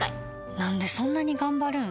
なんでそんなに頑張るん？